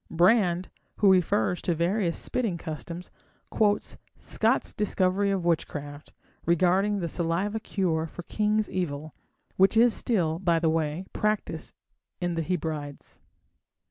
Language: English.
Brand, who refers to various spitting customs, quotes Scot's Discovery of Witchcraft regarding the saliva cure for king's evil, which is still, by the way, practised in the Hebrides.